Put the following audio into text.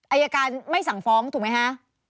อายการไม่สั่งฟ้องถูกไหมคะ